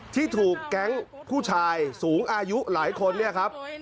ที่ถูกแก๊งผู้ชายสูงอายุหลายคนเนี่ยครับ